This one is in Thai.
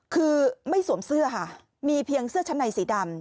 คือไม่สวมเสื้อค่ะมีเพียงเสื้อชั้นในสีดำ